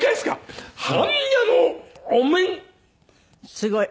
すごい。